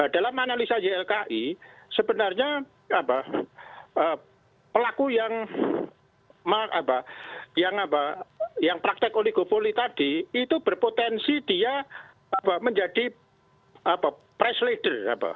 dalam analisa ylki sebenarnya pelaku yang praktek oligopoli tadi itu berpotensi dia menjadi press leader